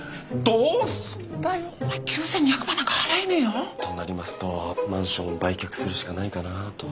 お前９，２００万なんか払えねえよ？となりますとマンションを売却するしかないかなと。